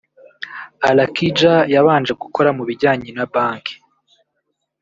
Alakija yabanje gukora mu bijyanye na banki